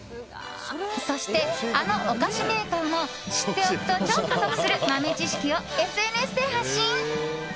そして、あのお菓子メーカーも知っておくと、ちょっと得する豆知識をＳＮＳで発信。